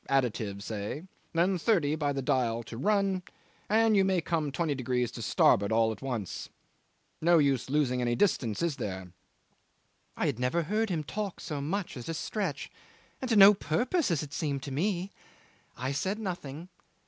additive; say, then, thirty by the dial to run, and you may come twenty degrees to starboard at once. No use losing any distance is there?' I had never heard him talk so much at a stretch, and to no purpose as it seemed to me. I said nothing.